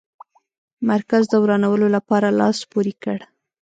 مرکز د ورانولو لپاره لاس پوري کړ.